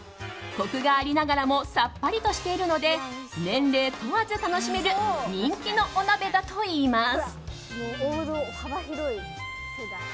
コクがありながらもさっぱりとしているので年齢問わず楽しめる人気のお鍋だといいます。